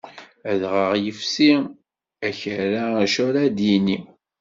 Adɣaɣ ifsi, akerra acu ar ad d-yini.